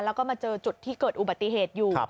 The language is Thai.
แล้วก็มาเจอจุดที่เกิดอุบัติเหตุอยู่